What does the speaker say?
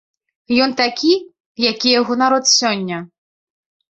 Ён такі, які яго народ сёння.